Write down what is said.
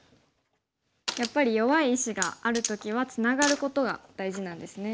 やっぱり弱い石がある時はツナがることが大事なんですね。